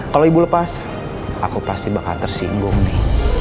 kalau ibu lepas aku pasti bakal tersinggung nih